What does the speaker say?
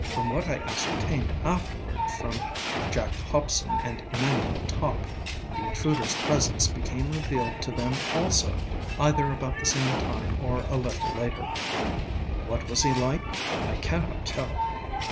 From what I ascertained afterward from Jack Hobson and Emmanuel Topp, the intruderŌĆÖs presence became revealed to them also, either about the same time or a little later. What was he like? I cannot tell.